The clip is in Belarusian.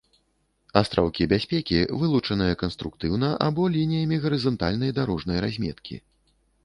Астраўкі бяспекі, вылучаныя канструктыўна або лініямі гарызантальнай дарожнай разметкі